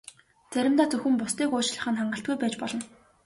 Заримдаа зөвхөн бусдыг уучлах нь хангалтгүй байж болно.